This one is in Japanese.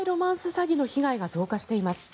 詐欺の被害が増加しています。